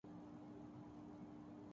باقی سب کتابی باتیں ہیں۔